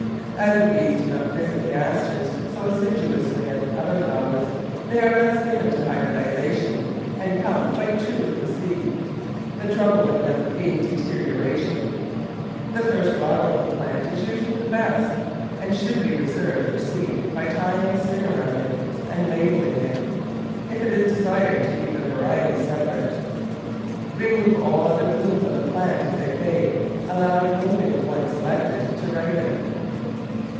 As the bees do not visit the Asters so assiduously as other flowers, they are less given to hybridisation and come quite true from seed; the trouble with them being deterioration. The first flower on the plant is usually the best, and should be reserved for seed by tying a string around it and label Digitized by Google 44 The Flower Garden [Chapter ling it, if it is desired to keep the varieties separate. Remove all other blooms on the plant, as they fade, allowing only the one selected to ripen.